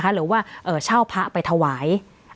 หรือว่าเช่าพระไปถวาย